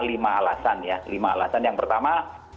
lima alasan ya lima alasan yang pertama